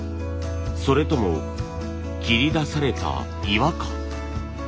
それとも切り出された岩か？